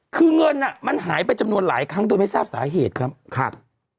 คือเงินอ่ะมันหายไปจำนวนหลายครั้งโดยไม่ทราบสาเหตุครับครับ